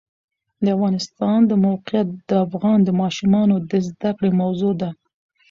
د افغانستان د موقعیت د افغان ماشومانو د زده کړې موضوع ده.